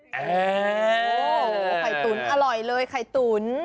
โอ้โหไข่ตุ๋นอร่อยเลยไข่ตุ๋น